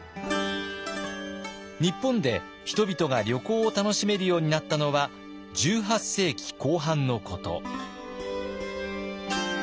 日本で人々が旅行を楽しめるようになったのは１８世紀後半のこと。